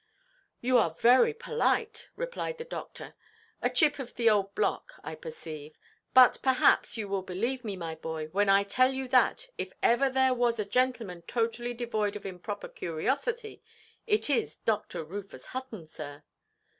"You are very polite," replied the Doctor; "a chip of the old block, I perceive. But, perhaps, you will believe me, my boy, when I tell you that, if ever there was a gentleman totally devoid of improper curiosity, it is Dr. Rufus Hutton, sir."